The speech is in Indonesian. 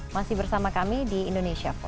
masih bersama kami di indonesia for one